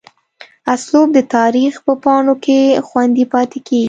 اسلوب دَ تاريخ پۀ پاڼو کښې خوندي پاتې کيږي